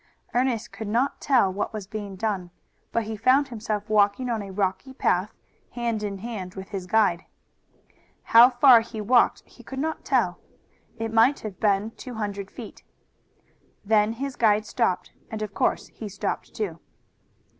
Ernest could not tell what was being done, but he found himself walking on a rocky path, hand in hand with his guide. How far he walked he could not tell. It might have been two hundred feet. Then his guide stopped, and of course he stopped too.